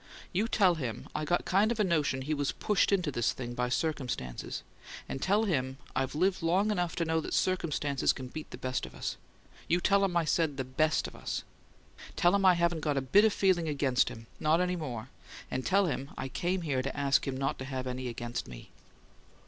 You tell him I got kind of a notion he was pushed into this thing by circumstances, and tell him I've lived long enough to know that circumstances can beat the best of us you tell him I said 'the BEST of us.' Tell him I haven't got a bit of feeling against him not any more and tell him I came here to ask him not to have any against me."